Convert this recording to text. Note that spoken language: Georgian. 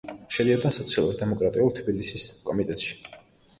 შედიოდა სოციალურ-დემოკრატიულ თბილისის კომიტეტში.